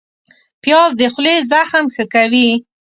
پیاز د خولې زخم ښه کوي